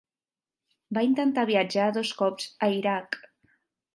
Va intentar viatjar dos cops a Iraq.